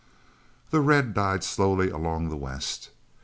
The red died slowly along the west.